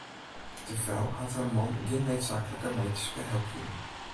De frou hat har man gjin needsaaklike medyske help jûn.